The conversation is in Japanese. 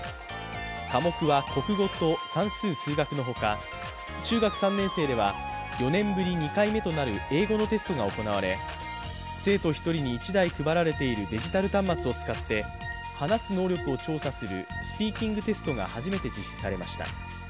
科目は国語と算数・数学のほか中学３年生では４年ぶり２回目となる英語のテストが行われ生徒１人に１台配られているデジタル端末を使って話す能力を調査するスピーキングテストが初めて実施されました。